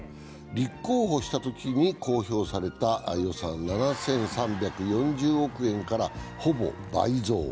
立候補したときに公表された予算、７３４０億円からほぼ倍増。